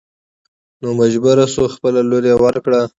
نو مجبور شو خپله لور يې ور کړه.